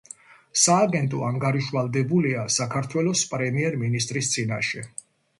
სააგენტო ანგარიშვალდებულია საქართველოს პრემიერ-მინისტრის წინაშე.